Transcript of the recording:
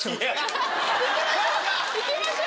行きましょう！